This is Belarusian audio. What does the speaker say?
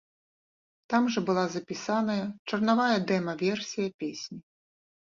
Там жа была запісаная чарнавая дэма-версія песні.